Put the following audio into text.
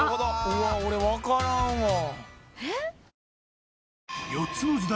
うわっ俺分からんわ。